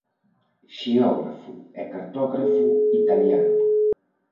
Xeógrafo e cartógrafo italiano.